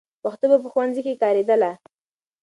پښتو به په ښوونځي کې کارېدله.